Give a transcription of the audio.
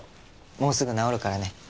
もうすぐ治るからね。